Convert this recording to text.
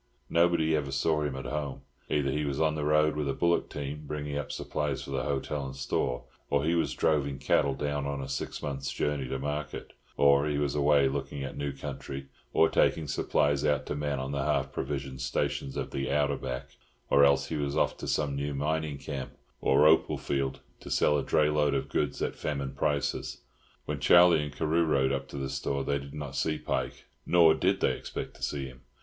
Nobody ever saw him at home. Either he was on the road with a bullock team, bringing up supplies for the hotel and store, or he was droving cattle down on a six months' journey to market; or he was away looking at new country, or taking supplies out to men on the half provisioned stations of the "outer back;" or else he was off to some new mining camp or opal field, to sell a dray load of goods at famine prices. When Charlie and Carew rode up to the store they did not see Pike, nor did they expect to see him.